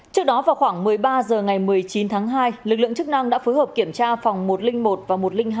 trước đó vào khoảng một mươi ba h ngày một mươi chín tháng hai lực lượng chức năng đã phối hợp kiểm tra phòng một trăm linh một và một trăm linh hai